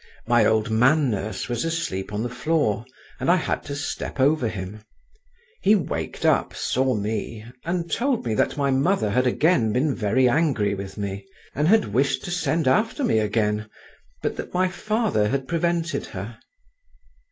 My old man nurse was asleep on the floor, and I had to step over him; he waked up, saw me, and told me that my mother had again been very angry with me, and had wished to send after me again, but that my father had prevented her.